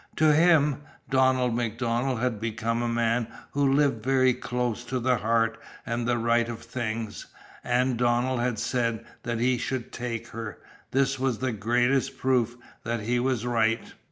To him, Donald MacDonald had become a man who lived very close to the heart and the right of things, and Donald had said that he should take her. This was the greatest proof that he was right.